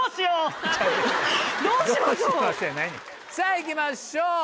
さぁ行きましょう。